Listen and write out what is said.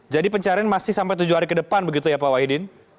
jadi pencarian masih sampai tujuh hari ke depan begitu ya pak wahidin